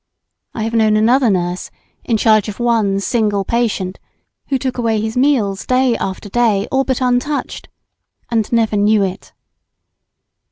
I have known another nurse in charge of one single patient, who took away his meals day after day all but untouched, and never knew it.